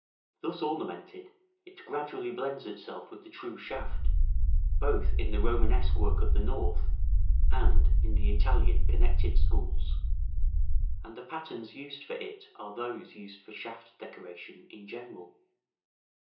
Thus ornamented, it gradually blends itself with the true shaft, both in the Romanesque work of the North, and in the Italian connected schools; and the patterns used for it are those used for shaft decoration in general.